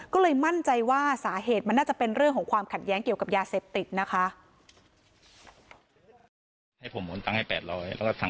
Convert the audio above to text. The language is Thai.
ก็เลยมั่นใจว่าสาเหตุมันน่าจะเป็นเรื่องของความขัดแย้งเกี่ยวกับยาเสพติดนะคะ